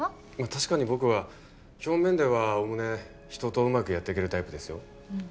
確かに僕は表面ではおおむね人とうまくやっていけるタイプですよ。